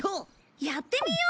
やってみよう！